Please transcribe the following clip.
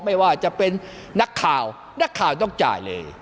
ไม่ว่าจะเป็นนักข่าวนักข่าวต้องจ่ายเลย